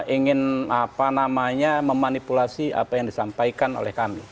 ingin apa namanya memanipulasi apa yang disampaikan oleh kami